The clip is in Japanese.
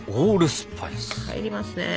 入りますね。